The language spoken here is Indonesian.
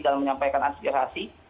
dan menyampaikan aspirasi